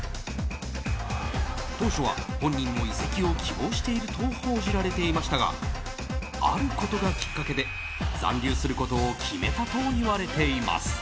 当初は本人も移籍を希望していると報じられていましたがあることがきっかけで残留することを決めたといわれています。